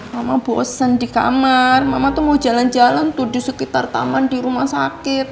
mama bosan di kamar mama tuh mau jalan jalan tuh di sekitar taman di rumah sakit